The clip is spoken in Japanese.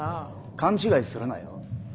勘違いするなよ。